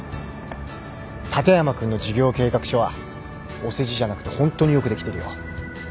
立山君の事業計画書はお世辞じゃなくてホントによくできてるよ。